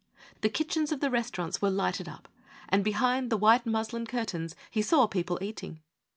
The kitchens of the restaurants were lighted up and, behind the white muslin curtains, he saw people eating.